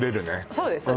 そうです